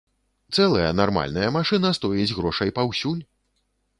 Цэлая, нармальная машына стоіць грошай паўсюль!